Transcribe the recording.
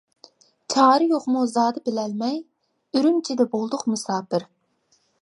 چارە يوقمۇ زادى بىلەلمەي، ئۈرۈمچىدە بولدۇق مۇساپىر.